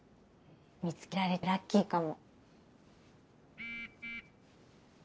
見つけられてラッキーかも。